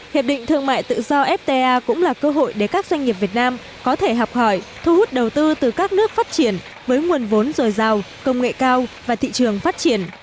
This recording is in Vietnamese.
hiệp định thương mại tự do fta cũng là cơ hội để các doanh nghiệp việt nam có thể học hỏi thu hút đầu tư từ các nước phát triển với nguồn vốn dồi dào công nghệ cao và thị trường phát triển